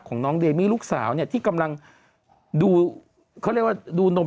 ของน้องเดมี่ลูกสาวที่กำลังดู